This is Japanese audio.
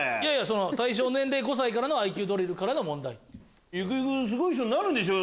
対象年齢５歳からのＩＱドリルからの問題。